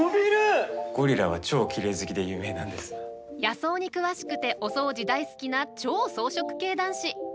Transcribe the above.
野草に詳しくてお掃除大好きな超草食系男子。